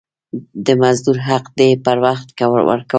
د مزدور حق دي پر وخت ورکول سي.